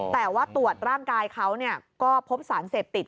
แต่ว่าตรวจร่างกายเขาก็พบสารเสพติด